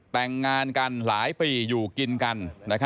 แต่งงานกันหลายปีอยู่กินกัน